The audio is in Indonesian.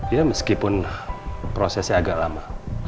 ya meskipun prosesnya agak lama